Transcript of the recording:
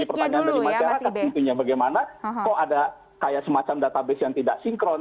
nah ini sudah menjadi pertanyaan bagaimana kok ada semacam database yang tidak sinkron